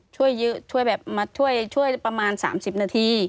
ช่วยมาช่วยประมาณ๓๐นาที